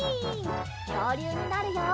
きょうりゅうになるよ！